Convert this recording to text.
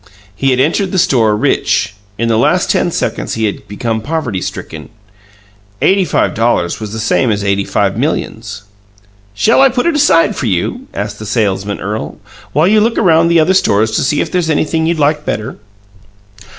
He had entered the store, rich; in the last ten seconds he had become poverty stricken. Eighty five dollars was the same as eighty five millions. "Shall I put it aside for you," asked the salesman earl, "while you look around the other stores to see if there's anything you like better?"